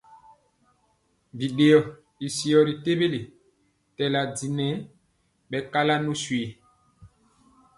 Biɗeyɔ ii syɔ ri tewele tɛla di nɛ ɓɛ kala nu swi.